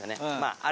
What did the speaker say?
あれ。